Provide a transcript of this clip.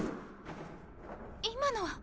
今のは。